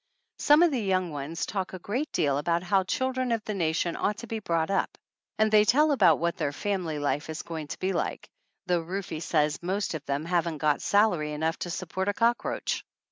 Some of the young ones talk a great deal about how the children of the nation ought to be brought up, and they tell about what their fam ily life is going to be like, though Rufe says most of them haven't got salary enough to sup port a cockroach.